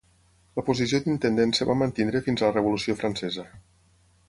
La posició d'intendent es va mantenir fins a la Revolució Francesa.